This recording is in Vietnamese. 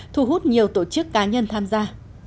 thu hút nhiều tổ chức cá nhân tham gia